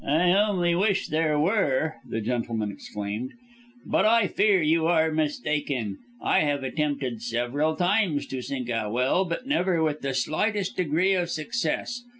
"I only wish there were," the gentleman exclaimed, "but I fear you are mistaken. I have attempted several times to sink a well but never with the slightest degree of success.